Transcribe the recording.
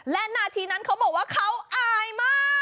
และนาทีนั้นเขาบอกว่าเขาอายมาก